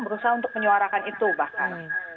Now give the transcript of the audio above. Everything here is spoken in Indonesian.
berusaha untuk menyuarakan itu bahkan